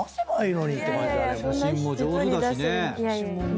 写真も上手だしね。